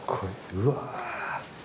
うわ。